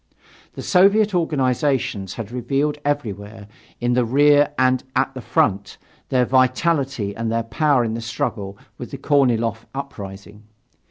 The Soviet organizations had revealed everywhere, in the rear and at the front, their vitality and their power in the struggle with the Korniloff uprising.